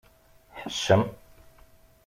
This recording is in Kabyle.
Ḥeccem.